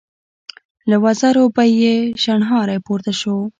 له وزرو به يې شڼهاری پورته شو.